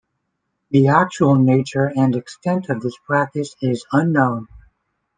The actual nature and extent of this practice is unknown.